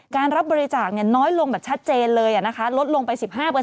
รับบริจาคน้อยลงแบบชัดเจนเลยลดลงไป๑๕